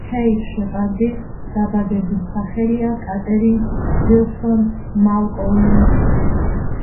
ქეით შეპარდი დაბადების სახელია კატერინ ვილსონ მალკოლმი.